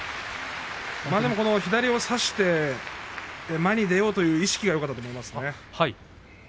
でも左を差して前に出ようという意識がよかったと思いますね。